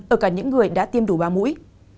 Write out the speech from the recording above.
ở cả những người đã tiêm đủ ba mũi